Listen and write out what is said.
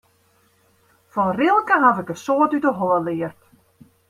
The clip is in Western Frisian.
Fan Rilke haw ik in soad út de holle leard.